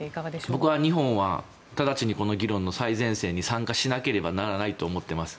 僕は日本は直ちにこの議論の最前線に参加しないといけないと思っています。